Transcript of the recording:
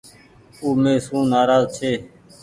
او مي سون نآراز ڇي۔